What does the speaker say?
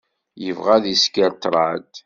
Yebɣa ad isker ṭṭrad.